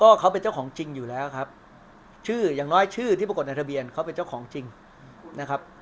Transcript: ก็เขาเป็นเจ้าของจริงอยู่แล้วครับชื่ออย่างน้อยชื่อที่ปรากฏในทะเบียนเขาเป็นเจ้าของจริงนะครับ